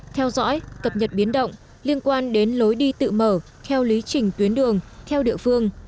theo dõi cập nhật biến động liên quan đến lối đi tự mở theo lý trình tuyến đường theo địa phương